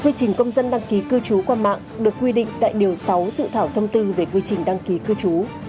quy trình công dân đăng ký cư trú qua mạng được quy định tại điều sáu dự thảo thông tư về quy trình đăng ký cư trú